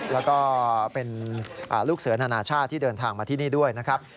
แล้วก็เป็นลูกเสือนานาชาติที่เดินทางมาที่นี่ด้วยนะครับ